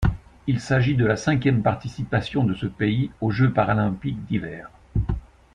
Il s'agit de la cinquième participation de ce pays aux Jeux paralympiques d'hiver.